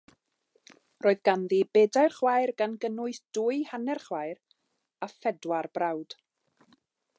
Roedd ganddi bedair chwaer, gan gynnwys dwy hanner chwaer, a phedwar brawd.